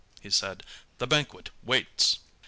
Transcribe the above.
he said. "The banquet waits!"